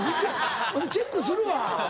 チェックするわ。